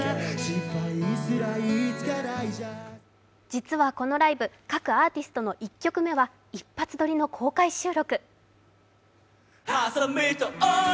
実は、このライブ、各アーティストの１曲目は一発撮りの公開収録。